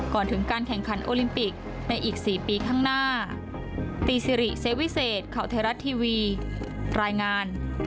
ก่อนถึงการแข่งขันโอลิมปิกในอีก๔ปีข้างหน้า